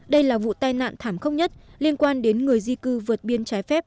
đây là vụ tai nạn thảm khốc nhất liên quan đến người di cư vượt biên trái phép